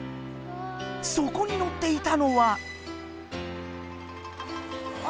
そこに乗っていたのは。